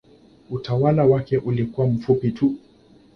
Utawala wake ulikuwa mfupi tu.